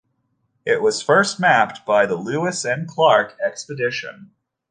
It was first mapped by the Lewis and Clark expedition.